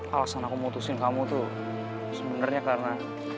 alasan aku mutusin kamu tuh sebenernya karena